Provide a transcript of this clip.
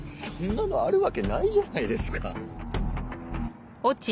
そんなのあるわけないじゃないですか。